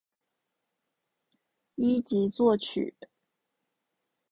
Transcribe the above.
一级作曲。